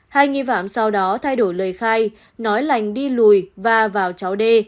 hai nghi phạm sau đó thay đổi lời khai nói lành đi lùi và vào cháu đê